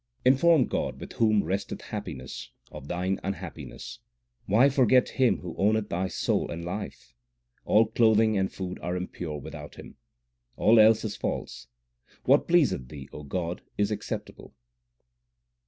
Inform God, with whom resteth happiness, of thine unhappiness. Why forget Him who owneth thy soul and life ? All clothing and food are impure without Him. All else is false ; what pleaseth Thee, O God, is accept able.